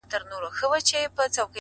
چي هغه زه له خياله وباسمه”